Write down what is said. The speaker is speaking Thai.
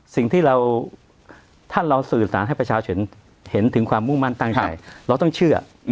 สิ่งที่เราถ้าเราสื่อสารให้ประชาชนเห็นถึงความมุ่งมั่นตั้งใจเราต้องเชื่อ